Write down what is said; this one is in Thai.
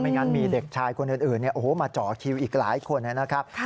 งั้นมีเด็กชายคนอื่นมาเจาะคิวอีกหลายคนนะครับ